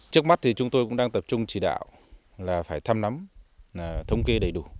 trước mắt thì chúng tôi cũng đang tập trung chỉ đạo là phải thăm nắm thông kê đầy đủ